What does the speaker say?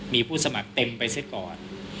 มีผู้สมัครเต็มไปซะก่อน